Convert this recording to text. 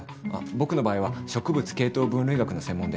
僕の場合は植物系統分類学の専門で。